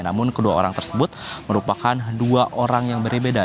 namun kedua orang tersebut merupakan dua orang yang berbeda